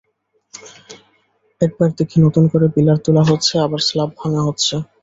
একবার দেখি নতুন করে পিলার তোলা হচ্ছে, আবার স্লাব ভাঙা হচ্ছে।